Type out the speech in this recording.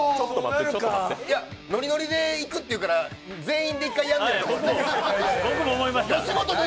ノリノリでいくっていうから全員で１回いくのかと思って。